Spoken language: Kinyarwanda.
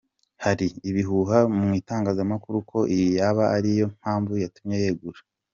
Hari ibihuha mu itangazamakuru ko iyi yaba ari yo mpamvu yatumye yegura.